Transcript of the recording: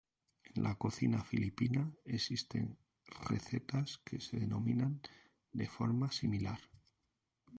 En la cocina filipina existen recetas que se denominan de forma similar.